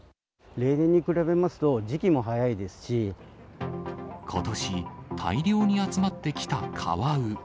例年に比べますと、時期も早いでことし、大量に集まってきたカワウ。